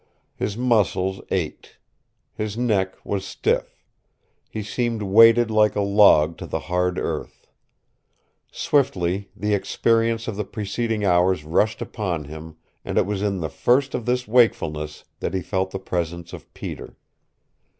His muscles ached. His neck was stiff. He seemed weighted like a log to the hard earth. Swiftly the experience of the preceding hours rushed upon him, and it was in the first of this wakefulness that he felt the presence of Peter.